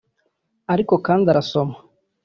Ariko kandi arasoma